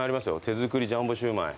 手作りジャンボシューマイ。